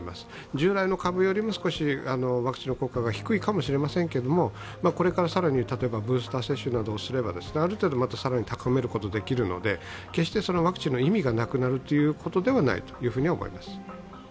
従来の株よりも少しワクチンの効果が低いかもしれませんけどこれから更にブースター接種などをすれば、ある程度また更に高めることができるので決してワクチンの意味がなくなるということではないと思います。